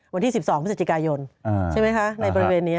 วันที่๑๒พฤศจิกายนใช่ไหมคะในบริเวณนี้